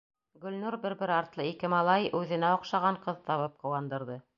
Гөлнур бер-бер артлы ике малай, үҙенә оҡшаған ҡыҙ табып ҡыуандырҙы.